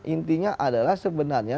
intinya adalah sebenarnya